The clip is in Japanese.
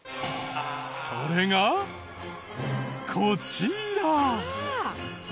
それがこちら！